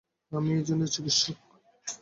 আমি একজন চিকিৎসক।